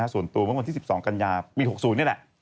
ส่วนตัวเมื่อวันที่๑๒กันยาปี๖๐นี่แหละ